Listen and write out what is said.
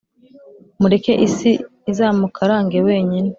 Mureke isi izamukarange wenyine